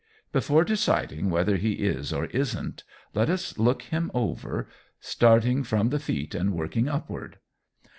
Before deciding whether he is or isn't, let us look him over, starting from the feet and working upward.